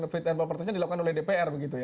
fit and propertisnya dilakukan oleh dpr